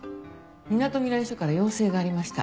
みなとみらい署から要請がありました。